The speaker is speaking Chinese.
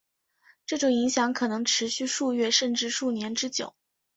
这种影响可能持续数月甚至数年之久。